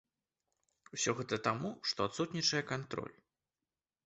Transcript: Усё гэта таму, што адсутнічае кантроль.